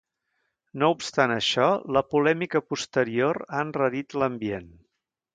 No obstant això, la polèmica posterior ha enrarit l’ambient.